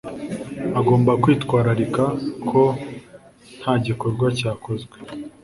agomba kwitwararika ko ntagikorwa cyakozwe